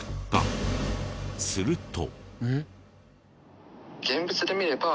すると。